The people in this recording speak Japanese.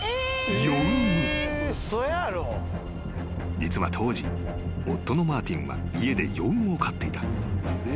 ［実は当時夫のマーティンは家でヨウムを飼っていた］